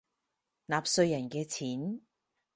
納稅人嘅錢